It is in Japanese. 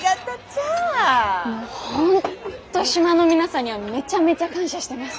もう本当島の皆さんにはめちゃめちゃ感謝してます。